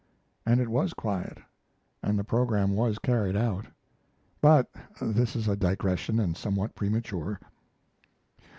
And it was quiet, and the programme was carried out. But this is a digression and somewhat premature.